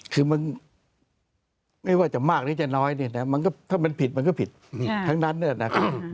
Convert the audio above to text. คือมันไม่ว่าจะมากหรือจะน้อยถ้ามันผิดมันก็ผิดทั้งนั้นเนอะนะ